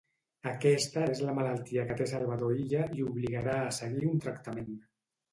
Aquesta és la malaltia que té Salvador Illa i obligarà a seguir un tractament